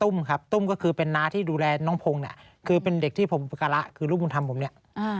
รู้สึกที่จริงเป็นวันนั้นทามอาทิตย์